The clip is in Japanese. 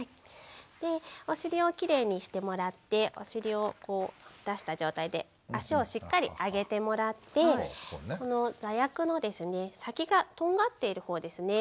でお尻をきれいにしてもらってお尻をこう出した状態で足をしっかり上げてもらってこの座薬の先がとんがっている方ですね。